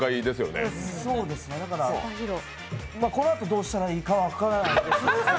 このあと、どうしたらいいか分からないです。